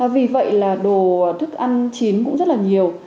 vì vậy là đồ thức ăn chín cũng rất là nhiều